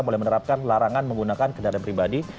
mulai menerapkan larangan menggunakan kendaraan pribadi